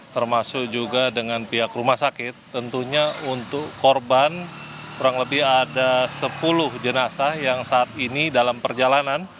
termasuk juga dengan pihak rumah sakit tentunya untuk korban kurang lebih ada sepuluh jenazah yang saat ini dalam perjalanan